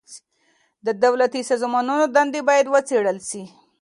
د دولتي سازمانونو دندي بايد وڅېړل سي.